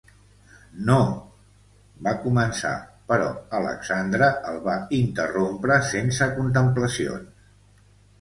"No..." va començar, però Alexandre el va interrompre sense contemplacions.